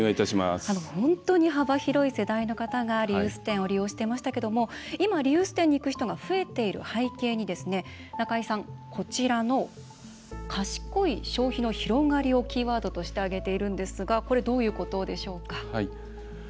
本当に幅広い世代の方がリユース店を利用していましたけども今、リユース店に行く人が増えている背景にですね中井さん、こちらの「賢い消費の広がり」をキーワードとして挙げているんですがこれ、どういうことでしょうか？